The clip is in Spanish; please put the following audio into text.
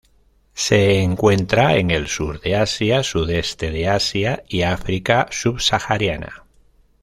Se encuentra en el sur de Asia, sudeste de Asia y África subsahariana.